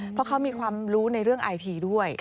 เพราะเขามีความรู้ในเรื่องไอพีด้วย